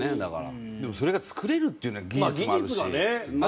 でもそれが作れるっていうのは技術もあるし。